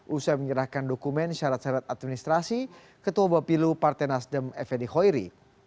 usai menyerahkan dokumen syarat syarat administrasi ketua bapilu partai nasdem f d khoiri